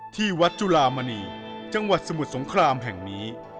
ที่วัดจุลามณีจังหวัดสมุทรสงครามแห่งนี้